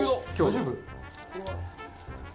大丈夫？